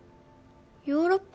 ヨーロッパ？